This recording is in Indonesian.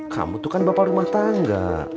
kamu tuh kan bapak rumah tangga